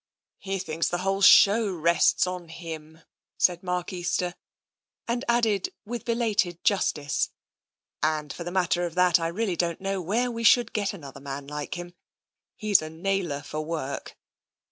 " He thinks the whole show rests on him," said Mark Easter, and added with belated justice, " And for the matter of that, I really don't know where we should get another man like him. He's a nailer for work."